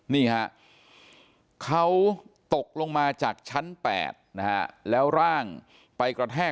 นี่ค่ะเขาตกลงมาจากชั้น๘นะฮะ